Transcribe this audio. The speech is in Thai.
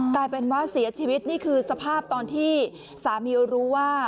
กลายเป็นว่าเสียชีวิตนี่คือสภาพตอนที่สามีรู้ว่า